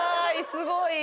すごい。